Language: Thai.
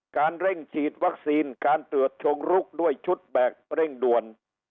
การเร่งฉีดวัคซีนการตรวจชงรุกด้วยชุดแบบเร่งด่วน